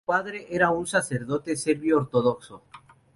Su padre era un sacerdote serbio ortodoxo.